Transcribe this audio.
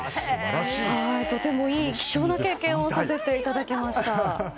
とてもいい、貴重な経験をさせていただきました。